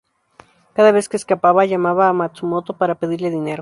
Cada vez que escapaba, llamaba a Matsumoto para pedirle dinero.